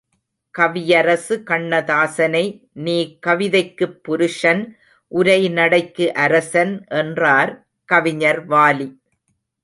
கவியரசு கண்ணதாசனை, நீ கவிதைக்குப் புருஷன் உரைநடைக்கு அரசன் என்றார் கவிஞர் வாலி.